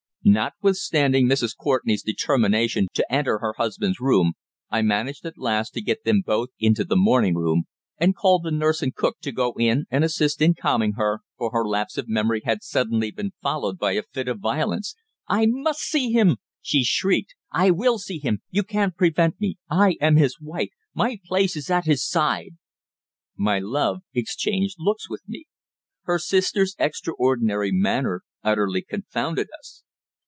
Notwithstanding Mrs. Courtenay's determination to enter her husband's room I managed at last to get them both into the morning room and called the nurse and cook to go in and assist in calming her, for her lapse of memory had suddenly been followed by a fit of violence. "I must see him!" she shrieked. "I will see him! You can't prevent me. I am his wife. My place is at his side!" My love exchanged looks with me. Her sister's extraordinary manner utterly confounded us.